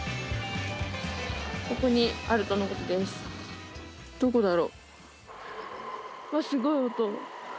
ここにあるとのことですどこだろう？